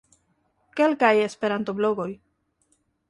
Kelkaj Esperanto-blogoj.